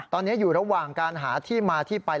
ตอนนี้อยู่ระหว่างการหาที่มาที่ไป